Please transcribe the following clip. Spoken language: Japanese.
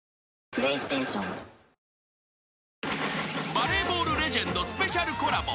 ［バレーボールレジェンドスペシャルコラボ］